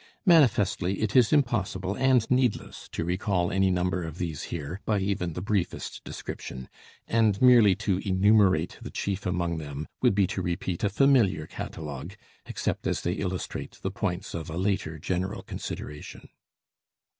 Manifestly, it is impossible and needless to recall any number of these here by even the briefest description; and merely to enumerate the chief among them would be to repeat a familiar catalogue, except as they illustrate the points of a later general consideration.